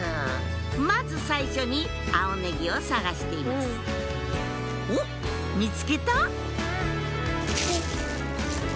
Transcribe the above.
まず最初に青ネギを探していますおっ見つけた？